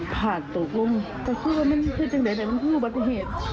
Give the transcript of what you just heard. ผ่านตกลงก็คือว่ามันคือจังใดแต่มันคือบัตรเหตุ